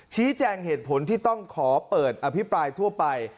ชี้แจงเหตุผลที่ต้องขอเปิดอภิปรายทั่วไป